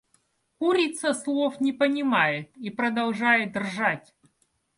Курица слов не понимает и продолжает ржать.